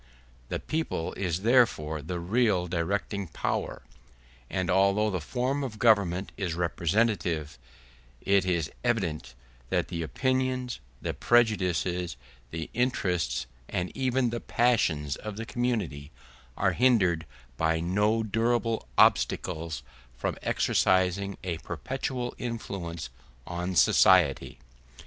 The people is therefore the real directing power; and although the form of government is representative, it is evident that the opinions, the prejudices, the interests, and even the passions of the community are hindered by no durable obstacles from exercising a perpetual influence on society.